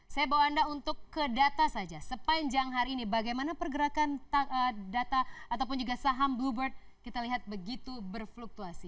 saya bawa anda untuk ke data saja sepanjang hari ini bagaimana pergerakan data ataupun juga saham bluebird kita lihat begitu berfluktuasi